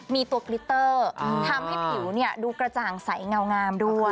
มีตัวกลิตเตอร์ทำให้ผิวดูกระจ่างใสเงางามด้วย